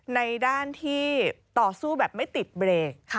ในด้านที่ต่อสู้แบบไม่ติดเบรก